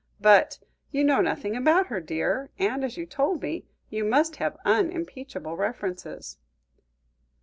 But you know nothing about her, dear, and, as you told me, you must have unimpeachable references."